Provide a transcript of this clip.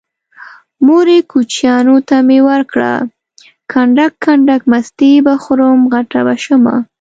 مورې کوچيانو ته مې ورکړه کنډک کنډک مستې به خورم غټه به شمه